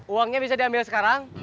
uangnya bisa diambil sekarang